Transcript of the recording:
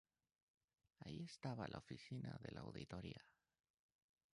Ahí estaba la oficina de la Auditoría.